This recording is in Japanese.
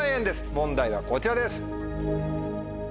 問題はこちらです。